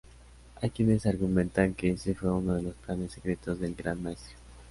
Hay quienes argumentan que ese fue uno de los planes secretos del Gran Maestre.